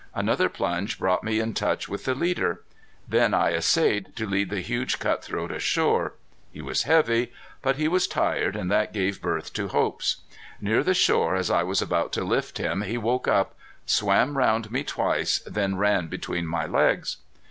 Another plunge brought me in touch with the leader. Then I essayed to lead the huge cutthroat ashore. He was heavy. But he was tired and that gave birth to hopes. Near the shore as I was about to lift him he woke up, swam round me twice, then ran between my legs.